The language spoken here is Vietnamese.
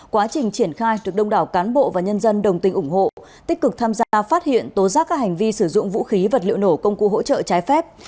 quá trình triển khai được đông đảo cán bộ và nhân dân đồng tình ủng hộ tích cực tham gia phát hiện tố giác các hành vi sử dụng vũ khí vật liệu nổ công cụ hỗ trợ trái phép